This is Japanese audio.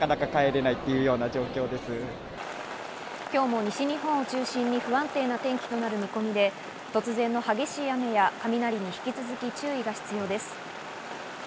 今日も西日本を中心に不安定な天気となる見込みで、突然の激しい雨や雷に引き続き注意が必要です。